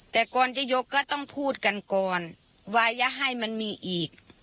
แต่ก่อนจะยกก็ต้องพูดกันก่อนว่าอย่าให้มันมีอีก